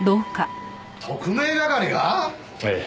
特命係が？ええ。